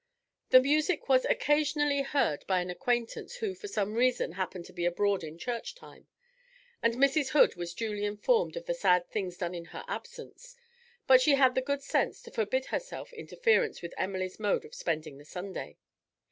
The music was occasionally heard by an acquaintance who for some reason happened to be abroad in church time, and Mrs. Hood was duly informed of the sad things done in her absence, but she had the good sense to forbid herself interference with Emily's mode of spending the Sunday.